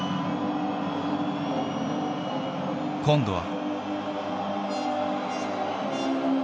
今度は。